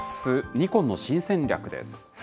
ニコンの新戦略です。